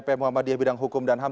pp muhammadiyah bidang hukum dan ham